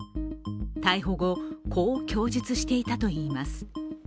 逮捕後、こう供述していたといいます。